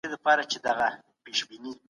اورېدل د خبرو کولو مهارت.